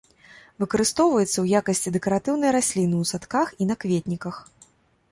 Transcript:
Выкарыстоўваецца ў якасці дэкаратыўнай расліны ў садках і на кветніках.